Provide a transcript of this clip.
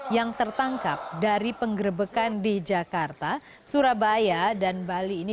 yang tertangkap dari penggerbekan di jakarta surabaya dan bali ini